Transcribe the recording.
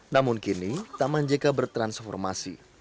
namun kini taman jk bertransformasi